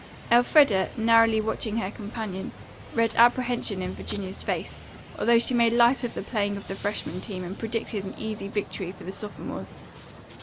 Elfreda, narrowly watching her companion, read apprehension in Virginia's face, although she made light of the playing of the freshmen team and predicted an easy victory for the sophomores.